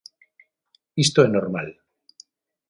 Isto é normal.